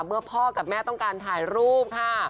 พ่อกับแม่ต้องการถ่ายรูปค่ะ